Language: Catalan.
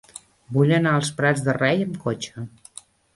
Vull anar als Prats de Rei amb cotxe.